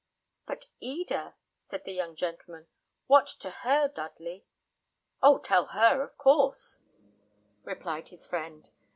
"But, Eda," said the young gentleman; "what to her, Dudley?" "Oh! tell her, of course," replied his friend.